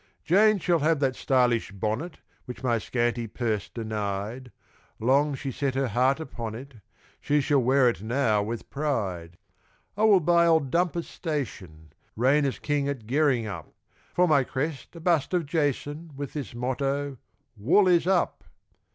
Jane shall have that stylish bonnet Which my scanty purse denied; Long she set her heart upon it, She shall wear it now with pride. I will buy old Dumper's station, Reign as king at Gerringhup, For my crest a bust of Jason, With this motto, "Wool is up."